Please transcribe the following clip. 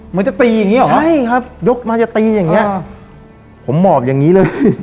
มันจะตีอย่างนี้หรอใช่ครับยกมาจะตีอย่างนี้ผมหมอบอย่างนี้เลย